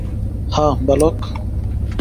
হাহ্, বালক?